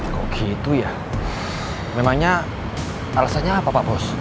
kok gitu ya memangnya alasannya apa pak bos